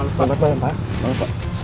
selamat malam pak